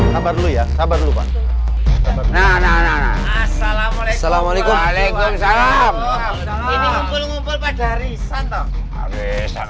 sabar dulu ya sabar dulu pak assalamualaikum